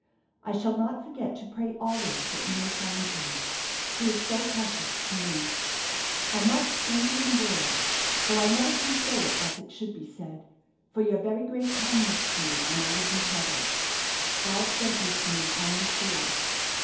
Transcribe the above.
I shall not forget to pray always that you may find Him. He is so precious to me! I must thank you in words, though I never can say it as it should be said, for your very great kindness to me when I was in trouble. God sent you to me, I am sure.